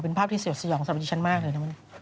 เป็นภาพที่เสี่ยวเสี่ยงสำหรับชั้นมากเลยนะมัน